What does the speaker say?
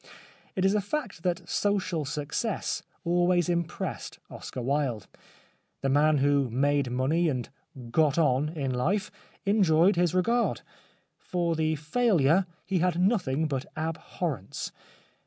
It is a fact that social success always impressed Oscar Wilde. The man who made money and " got on " in life enjoyed his regard ; for the failure he had nothing but ab horrence.